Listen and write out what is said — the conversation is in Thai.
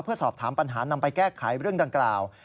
เพื่อสอบถามปัญหานำไปแก้ไขเรื่องดังกล่าว